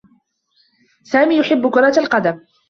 سامي يحبّ كرة القدم.